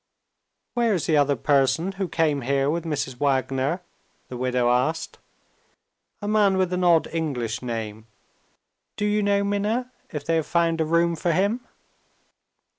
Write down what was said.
"Where is the other person who came here with Mrs. Wagner?" the widow asked. "A man with an odd English name. Do you know, Minna, if they have found a room for him?"